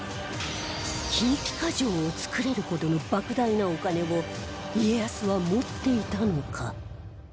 金ピカ城を造れるほどの莫大なお金を家康は持っていたのか？